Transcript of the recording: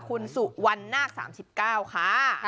คุณสุวรรณนาค๓๙ค่ะ